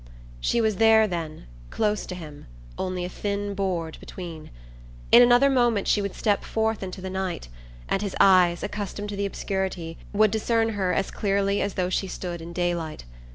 She was there, then, close to him, only a thin board between. In another moment she would step forth into the night, and his eyes, accustomed to the obscurity, would discern her as clearly as though she stood in daylight.